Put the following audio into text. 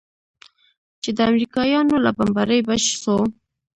چې د امريکايانو له بمبارۍ بچ سو.